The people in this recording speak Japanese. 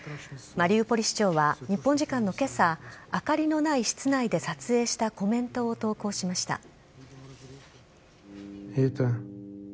マリウポリ市長は日本時間の今朝明かりのない室内で撮影したコメントを投稿しました。